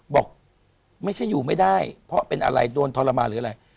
บอกไม่ใช่อยู่ไม่ได้เพราะเป็นอะไรโดนทรมานหรืออะไร